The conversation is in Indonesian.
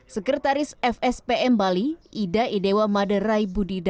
sekretaris fspm bali ida idewa maderai budidara